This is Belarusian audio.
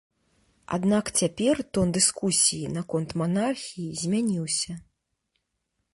Аднак цяпер тон дыскусіі наконт манархіі змяніўся.